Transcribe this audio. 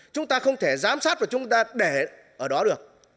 chúng ta không thể giám sát của chúng ta để ở đó được